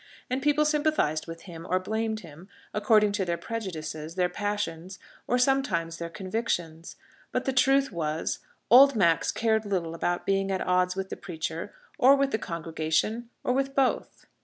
And people sympathised with him, or blamed him, according to their prejudices, their passions, or sometimes their convictions. But the truth was, old Max cared little about being at odds with the preacher, or with the congregation, or with both.